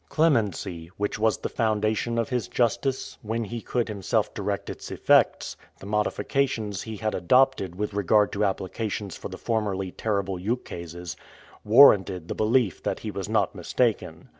Clemency, which was the foundation of his justice, when he could himself direct its effects, the modifications he had adopted with regard to applications for the formerly terrible ukases, warranted the belief that he was not mistaken.